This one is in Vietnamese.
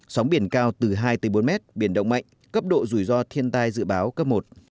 sóng biển cao từ hai bốn mét biển động mạnh cấp độ rủi ro thiên tai dự báo cấp một